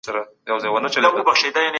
وږی تږی د غار خوله کي غځېدلی